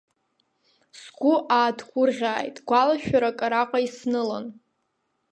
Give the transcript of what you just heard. Сгәы ааҭгәырӷьааит, гәалашәарак араҟа иснылан…